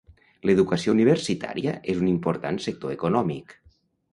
L'educació universitària és un important sector econòmic.